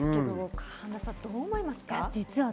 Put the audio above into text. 神田さん、どう思いますか？